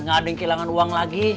nggak ada yang kehilangan uang lagi